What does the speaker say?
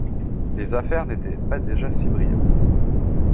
Les affaires n'étaient pas déjà si brillantes!